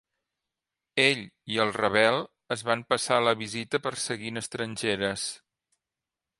Ell i el Ravel es van passar la visita perseguint estrangeres.